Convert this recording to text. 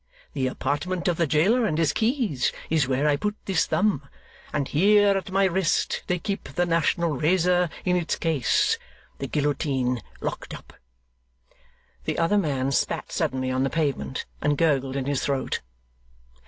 The apartment of the jailer and his keys is where I put this thumb; and here at my wrist they keep the national razor in its case the guillotine locked up.' The other man spat suddenly on the pavement, and gurgled in his throat.